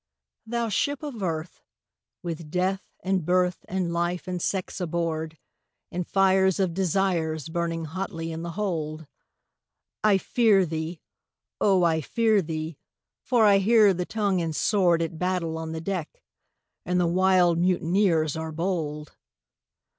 "Thou Ship of Earth, with Death, and Birth, and Life, and Sex aboard, And fires of Desires burning hotly in the hold, I fear thee, O! I fear thee, for I hear the tongue and sword At battle on the deck, and the wild mutineers are bold!